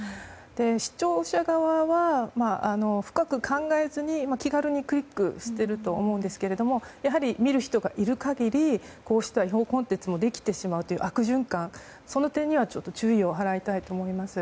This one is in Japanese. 視聴者側は、深く考えずに気軽にクリックしていると思うんですけどもやはり、見る人がいる限りこうした違法コンテンツもできてしまうという悪循環その点にはちょっと注意を払いたいと思います。